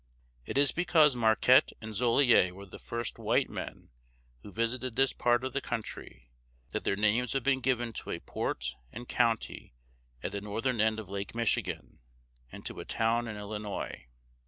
It is because Marquette and Joliet were the first white men who visited this part of the country, that their names have been given to a port and county at the northern end of Lake Michigan, and to a town in Illinois.